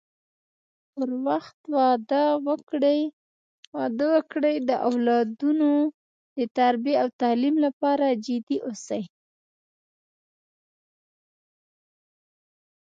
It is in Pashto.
پر وخت واده وکړي د اولادونو د تربی او تعليم لپاره جدي اوسی